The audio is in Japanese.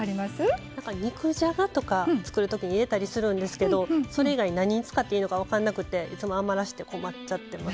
肉じゃがとか作るときに入れたりするんですけどそれ以外何に使っていいのか分かんなくていつも余らせて困っちゃってます。